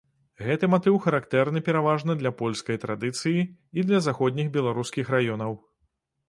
Гэты матыў характэрны пераважна для польскай традыцыі і для заходніх беларускіх раёнаў.